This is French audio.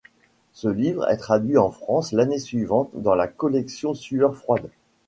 Ce livre est traduit en France l'année suivante dans la collection Sueurs froides.